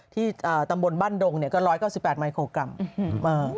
ที่ตำบลบ้านโดงก็๑๙๘มิโคกรัม